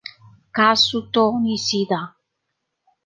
Kazuto Nishida